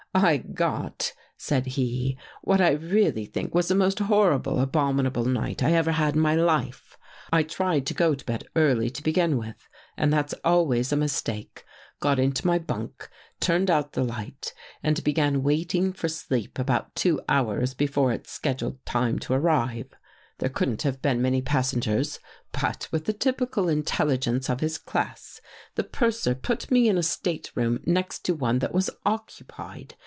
" I got," said he, " what I really think was the most horrible, abominable night I ever had in my life. I tried to go to bed early to begin with, and that's always a mistake. Got into my bunk, turned out the light and began waiting for sleep about two hours before its scheduled time to arrive. " There couldn't have been many passengers, but, with the typical intelligence of his class, the purser put me in a stateroom next to one that was occupied.